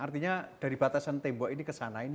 artinya dari batasan tembok ini ke sana ini